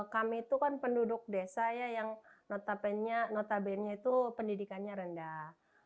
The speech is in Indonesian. kami itu kan penduduk desa ya yang notabene itu pendidikannya rendah